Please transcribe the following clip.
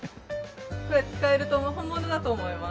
これ使えると思う本物だと思います。